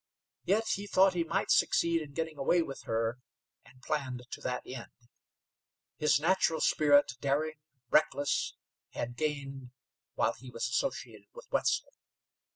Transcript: Yet he thought he might succeed in getting away with her, and planned to that end. His natural spirit, daring, reckless, had gained while he was associated with Wetzel.